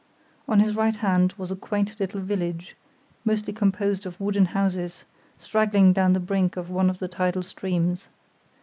On his right hand was a quaint little village, mostly composed of wooden houses, straggling down to the brink of one of the tidal streams.